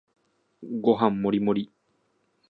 ご飯もりもり